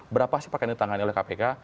berapa sih pakaian ditangani oleh kpk